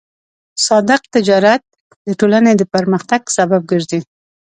صادق تجارت د ټولنې د پرمختګ سبب ګرځي.